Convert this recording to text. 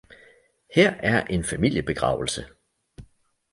Her er en familiebegravelse